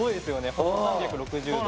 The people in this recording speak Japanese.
ほんと３６０度。